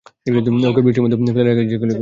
ওকে বৃষ্টির মধ্যে ফেলে রেখে যাই কী করে।